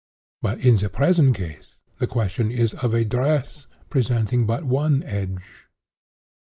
But in the present case the question is of a dress, presenting but one edge.